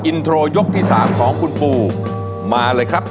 อินโทรยกที่๓ของคุณปูมาเลยครับ